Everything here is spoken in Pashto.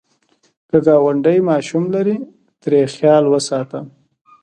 که ګاونډی ماشوم لري، ترې خیال وساته